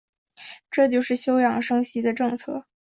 这就是休养生息的政策。